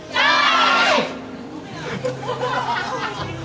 ใช่ไหม